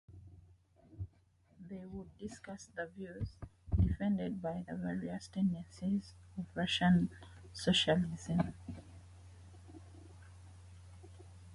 They would discuss the views defended by the various tendencies of Russian socialism.